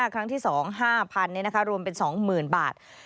ครั้งที่๒๕๐๐๐รวมเป็น๒๐๐๐บาท